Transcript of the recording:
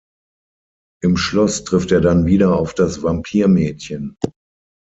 Im Schloss trifft er dann wieder auf das Vampir-Mädchen.